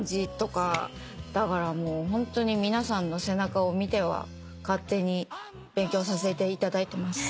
だからもうホントに皆さんの背中を見ては勝手に勉強させていただいてます。